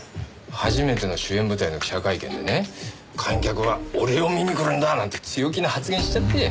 初めての主演舞台の記者会見でね観客は俺を見に来るんだなんて強気な発言しちゃって。